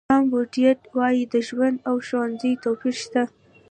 ټام بوډیټ وایي د ژوند او ښوونځي توپیر شته.